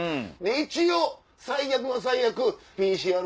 一応最悪の最悪。